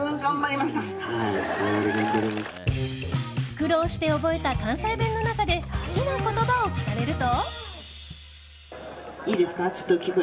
苦労して覚えた関西弁の中で好きな言葉を聞かれると。